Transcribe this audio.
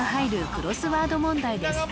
クロスワード問題です